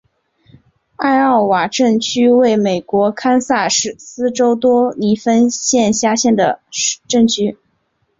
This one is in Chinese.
艾奥瓦镇区为美国堪萨斯州多尼芬县辖下的镇区。